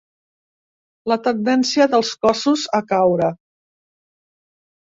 La tendència dels cossos a caure.